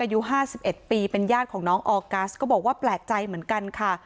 อายุ๕๑ปีเป็นญาติของน้องออกัสก็บอกว่าแปลกใจเหมือนกันค่ะ